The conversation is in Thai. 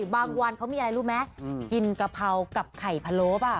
บางวันเค้ามีอะไรรู้มั้ยกินกะเพากับไข่พะโล้ป่ะ